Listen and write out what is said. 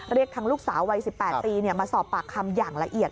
เรียกทั้งลูกสาววัย๑๘ปีมาสอบปากคำอย่างละเอียด